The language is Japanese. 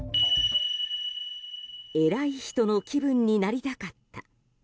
偉い人の気分になりたかった。